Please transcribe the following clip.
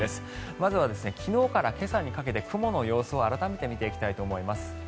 まずは昨日から今朝にかけて雲の様子を改めて見ていきたいと思います。